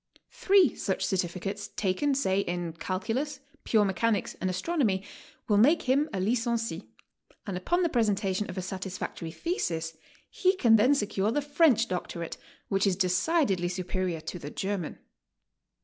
Three such certificates, taken, say, in cal culus, pure mechanics, and astronomy, will make him a licencie, and upon the presentation of a satisfactory thesis, he can then secure the French docto rate, which is decidedly superior to the German.